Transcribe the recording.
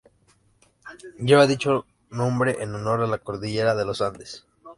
Lleva dicho nombre en honor a la cordillera de los Andes.